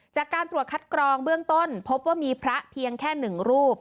จากการตรวจคัดกรองเบื้องต้นพบว่ามีพระเพียงแค่๑รูป